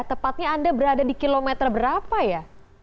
tepatnya anda berada di kilometer berapa ya